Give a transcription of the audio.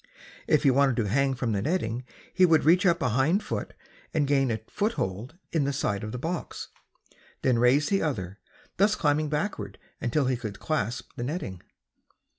If he wanted to hang from the netting he would reach up a hind foot and gain a foothold in the side of the box, then raise the other, thus climbing backwards until he could clasp the netting.